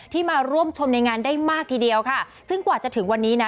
มาร่วมชมในงานได้มากทีเดียวค่ะซึ่งกว่าจะถึงวันนี้นะ